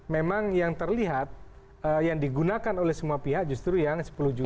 memang yang terlihat yang digunakan oleh semua pihak justru yang sepuluh juta